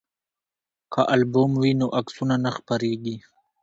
که البوم وي نو عکسونه نه خپریږي.